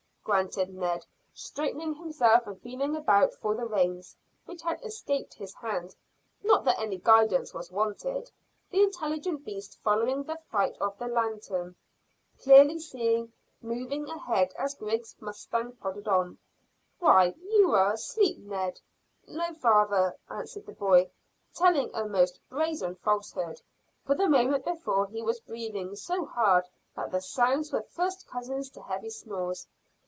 grunted Ned, straightening himself and feeling about for the reins, which had escaped his hand, not that any guidance was wanted, the intelligent beast following the fight of the lanthorn, clearly seen moving ahead as Griggs' mustang plodded on. "Why, you're asleep, Ned." "No, father," answered the boy, telling a most brazen falsehood, for the moment before he was breathing so hard that the sounds were first cousins to heavy snores.